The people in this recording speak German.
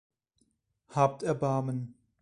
Habt Erbarmen!